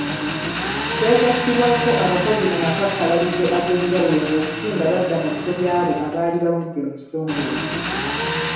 Twegattibwako abakozi mu makakkalabizo ag’enjawulo ng’okusinga badda mu bifo by’abo abaali bavudde mu kitongole.